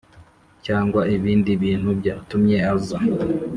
cyangwa ibindi bintu byatumye aza